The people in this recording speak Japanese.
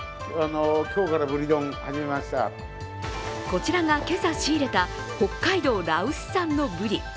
こちらが今朝仕入れた、北海道羅臼産のブリ。